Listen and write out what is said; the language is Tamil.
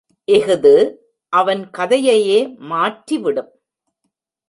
இஃது அவன் கதையையே மாற்றிவிடும்.